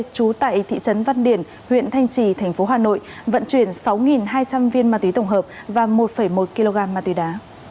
trú tại thị trấn văn điển huyện thanh trì tp hcm vận chuyển sáu hai trăm linh viên ma túy tổng hợp và một một kg ma túy đá